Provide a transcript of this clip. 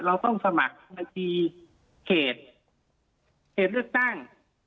เราต้องสมัครบัญชีเขตเขตเลือกตั้ง